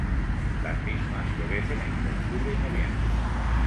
Las mismas florecen entre octubre y noviembre.